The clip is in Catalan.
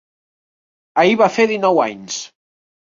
Ahir va fer dinou anys.